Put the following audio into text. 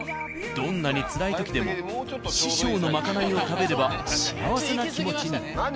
どんなにつらい時でも師匠のまかないを食べれば幸せな気持ちに。